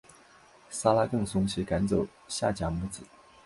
撒拉更怂其赶走夏甲母子。